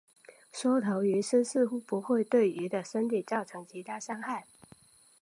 缩头鱼虱似乎不会对鱼的身体造成其他伤害。